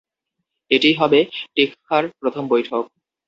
এটিই হবে টিকফার প্রথম বৈঠক।